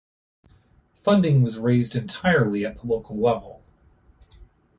Funding was raised entirely at the local level.